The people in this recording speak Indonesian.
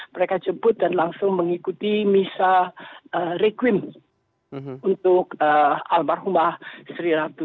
mereka jemput dan langsung mengikuti misa requim untuk almarhumah istri ratu